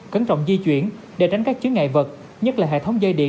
cẩn trọng di chuyển để tránh các chứa ngại vật nhất là hệ thống dây điện